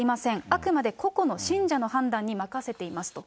あくまで個々の信者の判断に任せていますと。